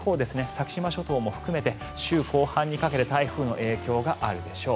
先島諸島も含めて週後半にかけて台風の影響があるでしょう。